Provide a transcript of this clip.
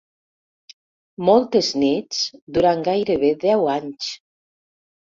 Moltes nits durant gairebé deu anys.